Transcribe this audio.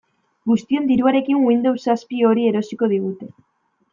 Guztion diruarekin Windows zazpi hori erosiko digute.